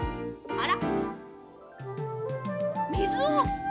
あら！